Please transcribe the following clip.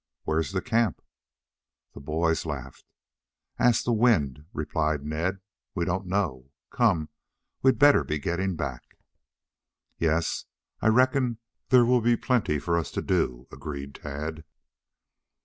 Where's the camp?" The boys laughed. "Ask the wind," replied Ned. "We don't know. Come! We'd better be getting back." "Yee, I reckon there will be plenty for us to do," agreed Tad.